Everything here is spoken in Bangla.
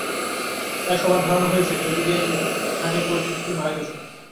তাই সবার ধারণা হয়েছে, খেলতে গিয়ে সেখানে পড়ে শিশুটি মারা গেছে।